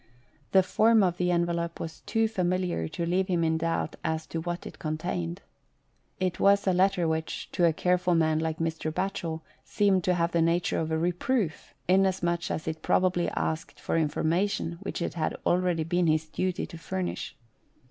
The form of the envelope was too familiar to leave him in doubt as to what it contained. It was a letter which, to a careful man like Mr. Batchel, seemed to have the nature of a reproof, inasmuch as it probably asked for information which it had already been his duty to furnish.